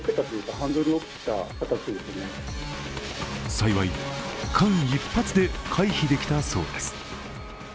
幸い、間一髪で回避できたそうです。